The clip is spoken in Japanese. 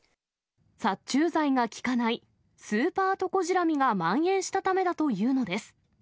殺虫剤が効かないスーパートコジラミがまん延したためだというのです。